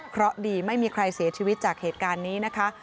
เพราะดีไม่มีใครเสียชีวิตจากเหตุการณ์นี้นะคะ